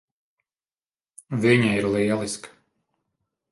Viņa ir lieliska.